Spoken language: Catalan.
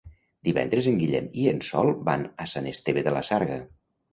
Divendres en Guillem i en Sol van a Sant Esteve de la Sarga.